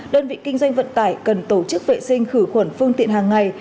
đơn vị kinh doanh vận tải cần tổ chức vệ sinh khử khuẩn phương tiện hàng ngày